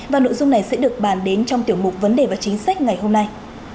và nội dung này sẽ được bàn đến trong tiểu mục vấn đề và chính sách ngày hôm nay